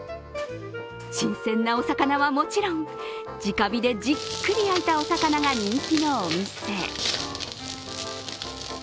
新鮮なお魚はもちろん、直火でじっくり焼いたお魚が人気のお店。